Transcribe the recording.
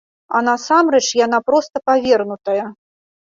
А насамрэч яна проста павернутая.